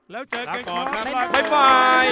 แล้วเจอกันครับบ๊ายบาย